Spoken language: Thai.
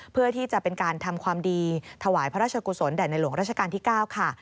เพื่อที่จะเป็นการทำความดีถวายพระราชกุศลแด่ในหลวงราชการที่๙ค่ะ